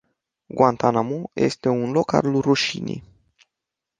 Guantánamo este un loc al rușinii.